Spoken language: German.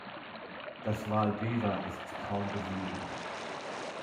Das Val Bever ist kaum besiedelt.